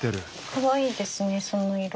かわいいですねその色。